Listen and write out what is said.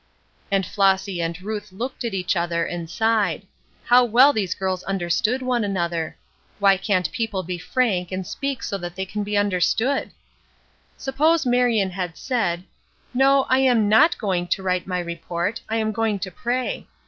And Flossy and Ruth looked at each other, and sighed. How well these girls understood one another! Why can't people be frank and speak so that they can be understood? Suppose Marion had said: "No, I am not going to write my report, I am going to pray."